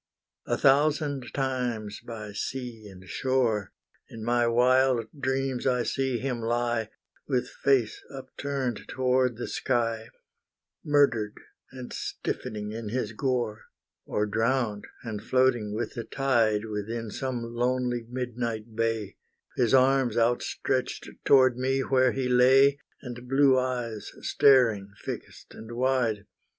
A thousand times by sea and shore, In my wild dreams I see him lie, With face upturned toward the sky, Murdered, and stiffening in his gore; Or drowned, and floating with the tide, Within some lonely midnight bay, His arms stretched toward me where he lay, And blue eyes staring, fixed and wide.